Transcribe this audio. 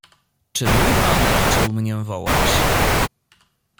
Czy mój pan raczył mnie wołać?